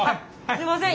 すいません。